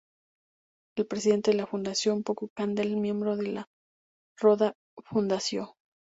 Es presidente de la Fundación Paco Candel y miembro de "La Roda Fundació".